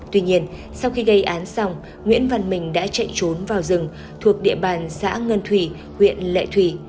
tuy nhiên sau khi gây án xong nguyễn văn bình đã chạy trốn vào rừng thuộc địa bàn xã ngân thủy huyện lệ thủy